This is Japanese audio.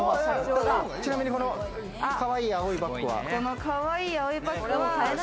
ちなみに、このかわいい青いバッグは？